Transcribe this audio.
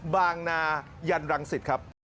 บางนายันรังศิษย์ครับ